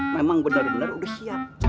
memang bener bener udah siap